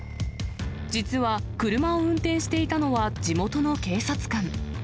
実は、車を運転していたのは地元の警察官。